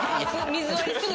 水割りすぐ。